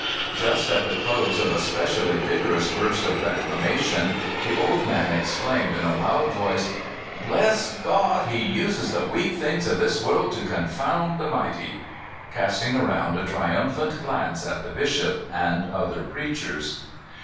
Just at the close of a specially vigorous burst of declamation, the old man exclaimed, in a loud voice: " Bless God! he uses ike lucak things of this zuorld to confound the mighty!'' casting around a triumphant glance at the Bishop and oth er preachers.